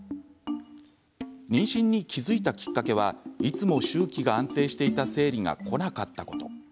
妊娠に気付いたきっかけはいつも周期が安定していた生理がこなかったこと。